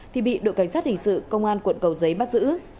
thì bị đội cảnh sát hình sự công an quận cầu giấy bắt giữ